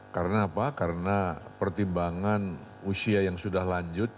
karena apa karena pertimbangan usia yang sudah lanjut